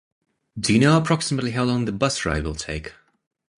Do you know approximately how long the bus ride will take?